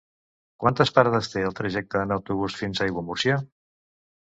Quantes parades té el trajecte en autobús fins a Aiguamúrcia?